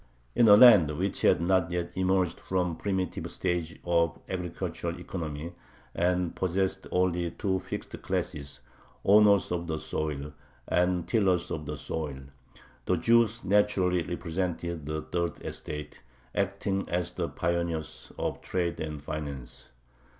In a land which had not yet emerged from the primitive stage of agricultural economy, and possessed only two fixed classes, owners of the soil and tillers of the soil, the Jews naturally represented the "third estate," acting as the pioneers of trade and finance.